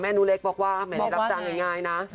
แม่หนูเล็กบอกว่าหมายถึงรับจังง่ายนะ